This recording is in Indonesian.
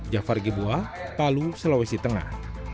jafar gebuah palu sulawesi tengah